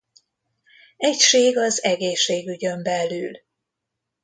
Egység az egészségügyön belül.